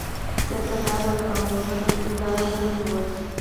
د کندهار او هلمند عمومي لار مو ونیوله.